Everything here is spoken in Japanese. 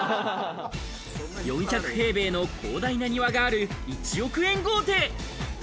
４００平米の広大な庭がある１億円豪邸。